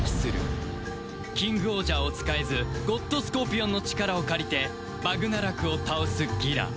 キングオージャーを使えずゴッドスコーピオンの力を借りてバグナラクを倒すギラ